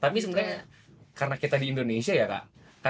tapi sebenarnya karena kita di indonesia ya kak